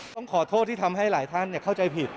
ต้องขอโทษที่ทำให้หลายท่านเข้าใจผิด